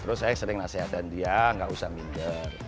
terus saya sering nasihatkan dia gak usah minder